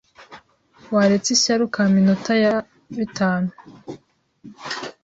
waretse ishyari ukampa inota ya bitanu